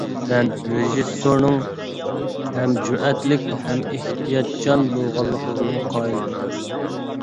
مەن رېژىسسورنىڭ ھەم جۈرئەتلىك، ھەم ئېھتىياتچان بولغانلىقىغىمۇ قايىل بولدۇم.